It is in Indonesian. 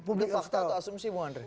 ini fakta atau asumsi bu andre